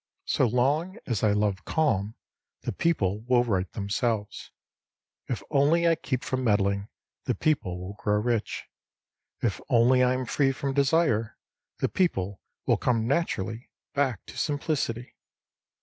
So long as I love calm, the people will right themselves. If only I keep from meddling, the people will grow rich. If only I am free from desire, the people will come naturally back to simplicity."